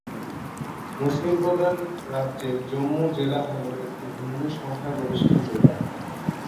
মুসলিম প্রধান রাজ্যের জম্মু জেলা হল একটি হিন্দু সংখ্যাগরিষ্ঠ জেলা।